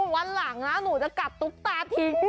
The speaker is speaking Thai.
วันหลังนะหนูจะกัดตุ๊กตาที